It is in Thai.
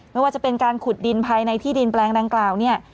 ไม่ว่าจะเป็นการขุดดินภายในที่ดินแปลงดังกล่าวเนี่ย